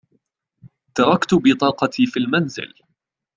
تركت بطاقتي في المنزل.